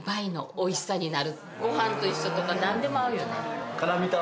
・ご飯と一緒とかなんでも合うよね・・